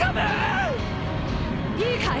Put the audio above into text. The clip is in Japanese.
いいかい？